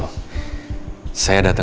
hangat di daerah kaun